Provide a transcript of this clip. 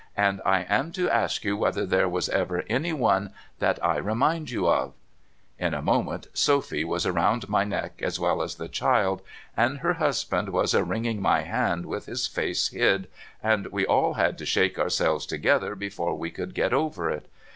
And I am to ask you whether there was ever any one that I remind you of ?' In a moment Sophy was round my neck, as well as the child, and her husband was a wringing my hand with his face hid, and we all had to shake ourselves together before we could get over it.